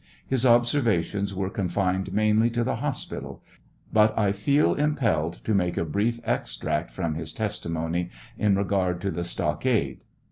His observations were confined mainly to the hospital, but I feel impelled to make a brief extract from his testimony in regard to the stockade.